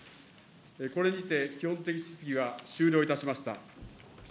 これにて基本的質疑は終了いたしました。